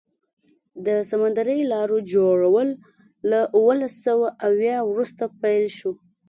د سمندري لارو جوړول له اوولس سوه اویا وروسته پیل شو.